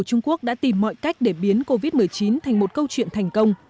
trung quốc đã biến covid một mươi chín thành một câu chuyện thành công